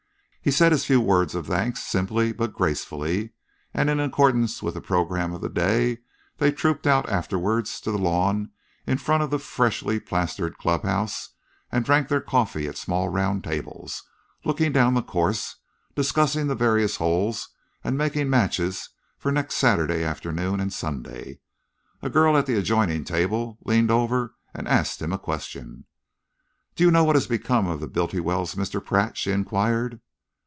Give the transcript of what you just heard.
He said his few words of thanks simply but gracefully and, in accordance with the programme of the day, they trooped out afterwards to the lawn in front of the freshly plastered clubhouse and drank their coffee at small round tables, looking down the course, discussing the various holes, and making matches for the next Saturday afternoon and Sunday. A girl at the adjoining table leaned over and asked him a question. "Do you know what has become of the Bultiwells, Mr. Pratt?" she enquired.